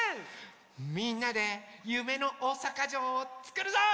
みんなでゆめのおおさかじょうをつくるぞ！